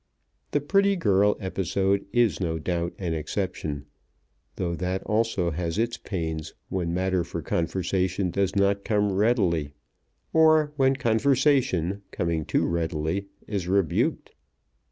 The pretty girl episode is no doubt an exception, though that also has its pains when matter for conversation does not come readily, or when conversation, coming too readily, is rebuked.